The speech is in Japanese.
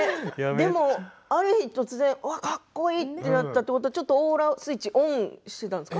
でも、ある日突然かっこいい！となったということはオーラスイッチオンしていたんですかね。